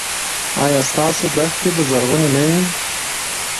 ایا ستاسو دښتې به زرغونې نه وي؟